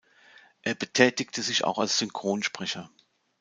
Er betätigte sich auch als Synchronsprecher.